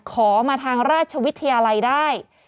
ขอมาทางราชวิทยาลัยได้